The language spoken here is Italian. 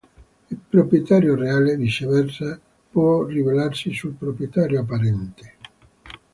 Il proprietario reale, viceversa, può rivalersi sul proprietario apparente.